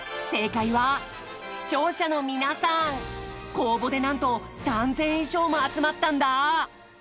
公募でなんと３，０００以上も集まったんだ！